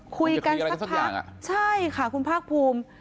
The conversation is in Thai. คุยกันสักพักใช่ค่ะคุณภาคภูมิ